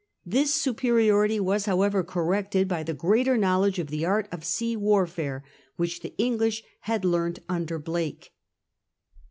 This superiority was, however, corrected by the greater knowledge of the art of sea warfare which the English had learnt under Blake.